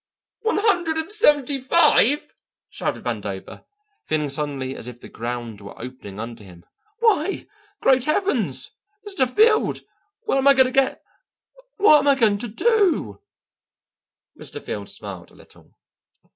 "One hundred and seventy five!" shouted Vandover, feeling suddenly as if the ground were opening under him. "Why, great heavens! Mr. Field, where am I going to get what am I going to do?" Mr. Field smiled a little.